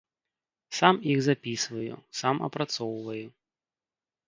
Сам іх запісваю, сам апрацоўваю.